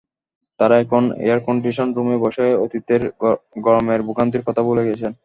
তাঁরা এখন air condition রুমে বসে অতীতের গরমের ভোগান্তির কথা ভুলে গেছেন।